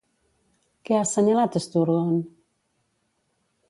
Què ha assenyalat Sturgeon?